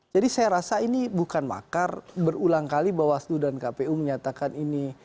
jadi saya rasa ini bukan makar berulang kali bawaslu dan kpu menyatakan ini